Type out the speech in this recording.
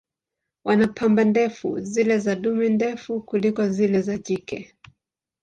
Wana pamba ndefu, zile za dume ndefu kuliko zile za jike.